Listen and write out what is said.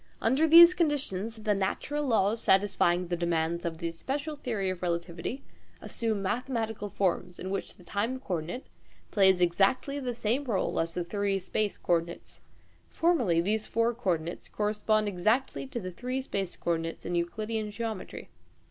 Under these conditions, the natural laws satisfying the demands of the (special) theory of relativity assume mathematical forms, in which the time co ordinate plays exactly the same role as the three space co ordinates. Formally, these four co ordinates correspond exactly to the three space co ordinates in Euclidean geometry.